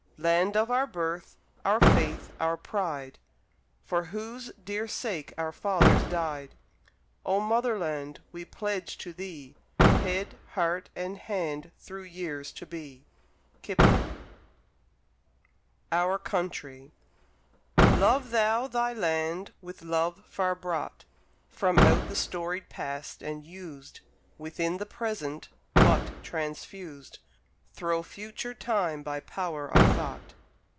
Land of our Birth, our faith, our pride, For whose dear sake our fathers died, Oh Motherland, we pledge to thee, Head, heart, and hand through years to be! Kipling OUR COUNTRY Love thou thy land, with love far brought From out the storied Past, and used Within the Present, but transfused Thro' future time by power of thought.